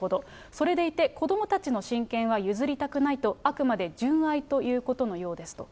それでいて、子どもたちの親権は譲りたくないと、あくまで純愛ということのようですと。